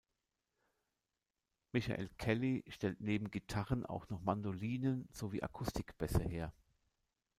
Michael Kelly stellt neben Gitarren auch noch Mandolinen sowie Akustik Bässe her.